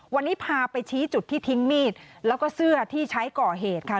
วันนี้พาไปชี้จุดที่ทิ้งมีดแล้วก็เสื้อที่ใช้ก่อเหตุค่ะ